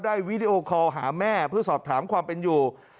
วีดีโอคอลหาแม่เพื่อสอบถามความเป็นอยู่